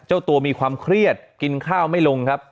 เจ้าตัวมีความเครียดกินข้าวไม่ลงครับ